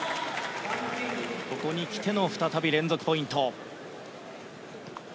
ここに来ての再び連続ポイント。